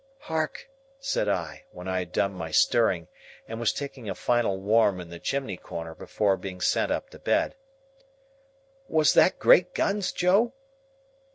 "Hark!" said I, when I had done my stirring, and was taking a final warm in the chimney corner before being sent up to bed; "was that great guns, Joe?"